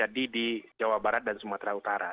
di jawa barat dan sumatera utara